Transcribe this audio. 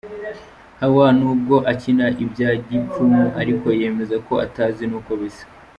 Hawa n'ubwo akina ibya gipfumu ariko yemeza ko atazi n'uko bisa.